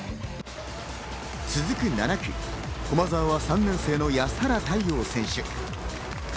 続く７区、駒澤は３年生の安原太陽選手。